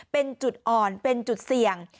เป็นจุดอ่อนเป็นจุดเสี่ยง